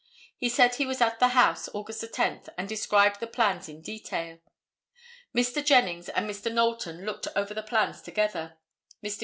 He said he was at the house August 10, and described the plans in detail. Mr. Jennings and Mr. Knowlton looked over the plans together. Mr.